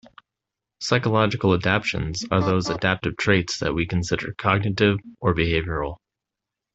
Psychological adaptions are those adaptive traits that we consider cognitive or behavioral.